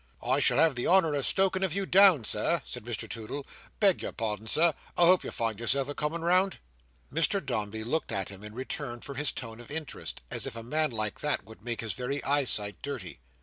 "I shall have the honour of stokin' of you down, Sir," said Mr Toodle. "Beg your pardon, Sir.—I hope you find yourself a coming round?" Mr Dombey looked at him, in return for his tone of interest, as if a man like that would make his very eyesight dirty.